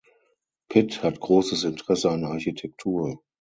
Pitt hat großes Interesse an Architektur.